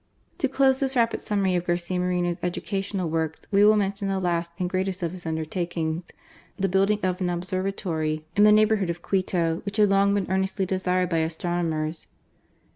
To close this rapid summary of Garcia Moreno's educational works, we will mention the last and greatest of his undertakings — the building of an observatory in the neighbourhood of Quito, which had long been earnestly desired by astronomers.